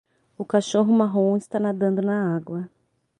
O cachorro marrom está nadando na água